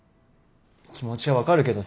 気持ちは分かるけど。